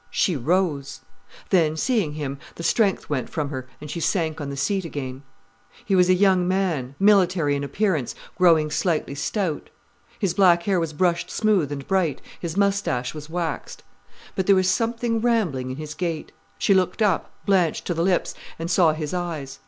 She rose. Then, seeing him, the strength went from her and she sank on the seat again. He was a young man, military in appearance, growing slightly stout. His black hair was brushed smooth and bright, his moustache was waxed. But there was something rambling in his gait. She looked up, blanched to the lips, and saw his eyes.